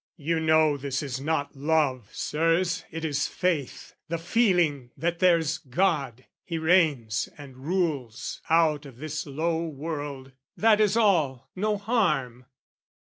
You know this is not love, Sirs, it is faith, The feeling that there's God, he reigns and rules Out of this low world: that is all; no harm!